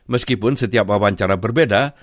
meskipun setiap wawancara berbeda